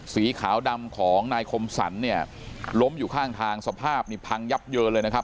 สีขาวดำของนายคมสรรเนี่ยล้มอยู่ข้างทางสภาพนี่พังยับเยินเลยนะครับ